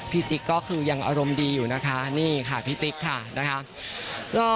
จิ๊กก็คือยังอารมณ์ดีอยู่นะคะนี่ค่ะพี่จิ๊กค่ะนะคะ